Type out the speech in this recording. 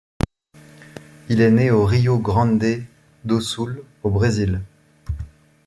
Il est né au Rio Grande do Sul au Brésil.